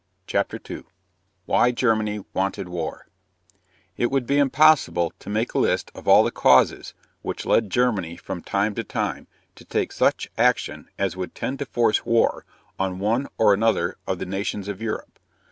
CHAPTER II WHY GERMANY WANTED WAR It would be impossible to make a list of all the causes which led Germany from time to time to take such action as would tend to force war on one or another of the nations of Europe.